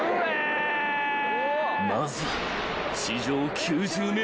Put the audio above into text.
［まずは］